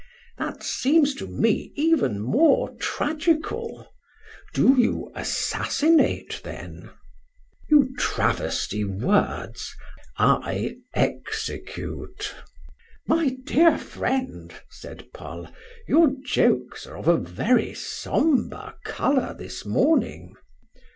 "That seems to me even more tragical. Do you assassinate, then?" "You travesty words. I execute." "My dear friend," said Paul, "your jokes are of a very sombre color this morning."